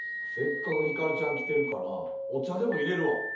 せっかくヒカルちゃん来てるからお茶でもいれるわ。